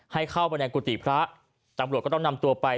ให้เข้าไปในกุฏิพระตำรวจก็ต้องนำตัวไป